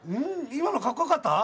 今のかっこよかった？